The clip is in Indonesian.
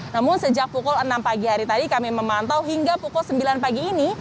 namun sejak pukul enam pagi hari tadi kami memantau hingga pukul sembilan pagi ini